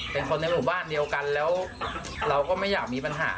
เป็นคนในหมู่บ้านเดียวกันแล้วเราก็ไม่อยากมีปัญหา